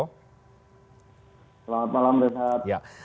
selamat malam rehat